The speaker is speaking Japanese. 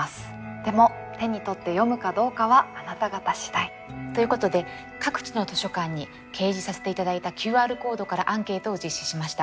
でも手に取って読むかどうかはあなた方次第。ということで各地の図書館に掲示させて頂いたＱＲコードからアンケートを実施しました。